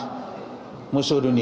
kejahatan narkoba adalah musuh dunia